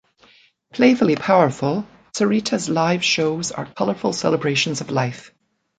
Playfully powerful, Saritah's live shows are colourful celebrations of life.